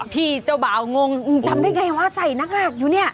พี่เจ้าบ่าวงงงจำได้ไงว่าใส่หน้ากากอยู่เนี่ย